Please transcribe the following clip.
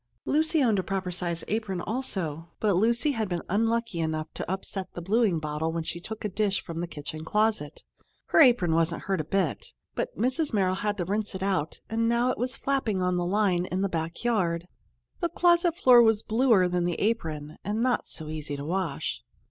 Lucy owned a proper sized apron also, but Lucy had been unlucky enough to upset the blueing bottle when she took a dish from the kitchen closet. Her apron wasn't hurt a bit, but Mrs. Merrill had rinsed it out and now it was flapping on the line in the back yard. The closet floor was bluer than the apron and not so easy to wash.